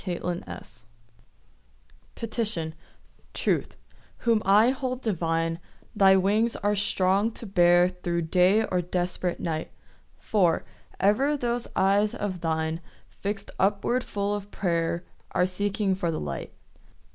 PETITION Truth, whom I hold divine, Thy wings are strong to bear Thro' day or desperate night; For, ever those eyes of thine, Fix'd upward full of prayer, Are seeking for the light.